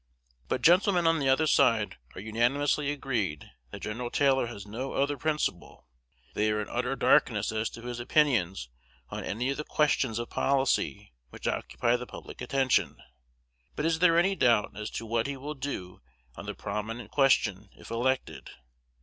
But gentlemen on the other side are unanimously agreed that Gen. Taylor has no other principle. They are in utter darkness as to his opinions on any of the questions of policy which occupy the public attention. But is there any doubt as to what he will do on the prominent question, if elected?